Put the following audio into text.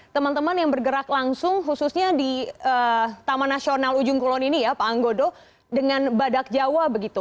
teman teman yang bergerak langsung khususnya di taman nasional ujung kulon ini ya pak anggodo dengan badak jawa begitu